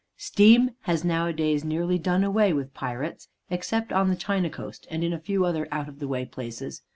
Steam has nowadays nearly done away with pirates, except on the China coast and in a few other out of the way places.